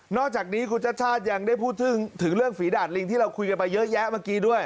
อกจากนี้คุณชาติชาติยังได้พูดถึงเรื่องฝีดาดลิงที่เราคุยกันไปเยอะแยะเมื่อกี้ด้วย